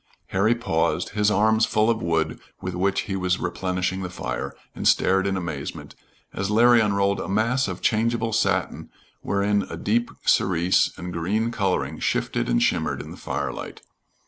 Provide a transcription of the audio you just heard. Harry paused, his arms full of wood with which he was replenishing the fire, and stared in amazement, as Larry unrolled a mass of changeable satin wherein a deep cerise and green coloring shifted and shimmered in the firelight.